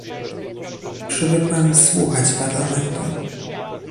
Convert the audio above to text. Przywykłem słuchać Parlamentu